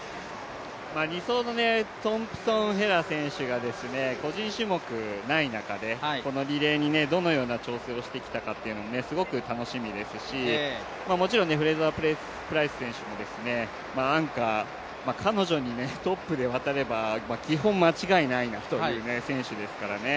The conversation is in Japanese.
２走のトンプソンヘラ選手が個人種目がない中でこのリレーにどのような調整をしてきたかというのもすごく楽しみですし、もちろんフレイザープライス選手もアンカー、彼女にトップで渡れば基本間違いないなという選手ですからね。